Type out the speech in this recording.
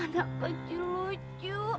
anak kecil lucu